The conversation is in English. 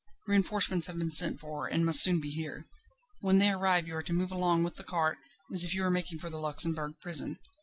Reinforcements have been sent for, and must soon be here. When they arrive you are to move along with the cart, as if you were making for the Luxembourg Prison.